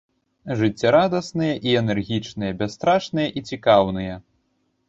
Жыццярадасныя і энергічныя, бясстрашныя і цікаўныя.